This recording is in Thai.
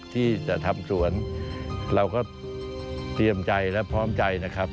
ที่จะทำสวนเราก็เตรียมใจและพร้อมใจนะครับ